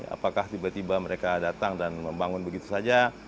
apakah tiba tiba mereka datang dan membangun begitu saja